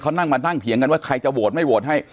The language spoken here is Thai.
เขานั่งมานั่งเถียงกันว่าใครจะโหวตไม่โหวตให้